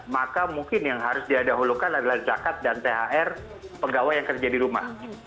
maka mungkin yang harus diadahulukan adalah zakat dan thr pegawai yang kerja di rumah